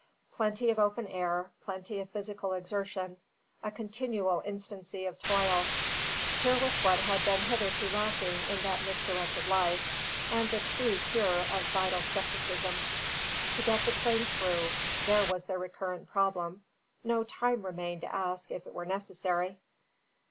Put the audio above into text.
Plenty of open air, plenty of physical exertion, a continual instancy of toil; here was what had been hitherto lacking in that misdirected life, and the true cure of vital scepticism. To get the train through: there was the recurrent problem; no time remained to ask if it were necessary.